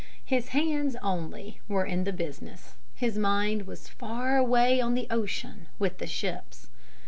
His hands, only, were in the business, his mind was far away on the ocean with the ships.